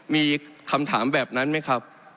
มีคำถามแบบนั้นไหมครับ